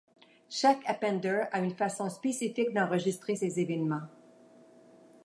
Chaque Appender a une façon spécifique d'enregistrer ces événements.